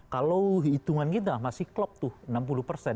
kalau hitungan kita masih klop tuh enam puluh persen